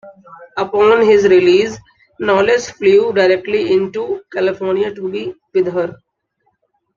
Upon his release, Knowles flew directly to California to be with her.